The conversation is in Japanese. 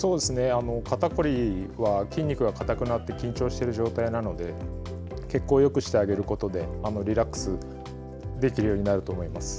肩凝りは筋肉が硬くなって緊張している状態なので血行をよくしてあげることでリラックスできるようになると思います。